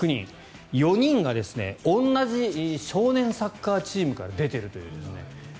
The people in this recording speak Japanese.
４人が同じ少年サッカーチームから出ているという。